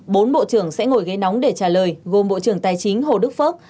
bốn bộ trưởng sẽ ngồi ghế nóng để trả lời gồm bộ trưởng tài chính hồ đức phước